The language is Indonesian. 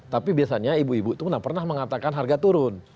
tapi biasanya ibu ibu itu pernah mengatakan harga turun